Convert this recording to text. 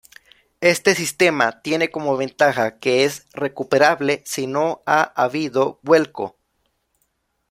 Este sistema tiene como ventaja que es recuperable si no ha habido vuelco.